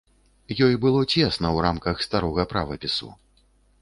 Ёй было цесна ў рамках старога правапісу.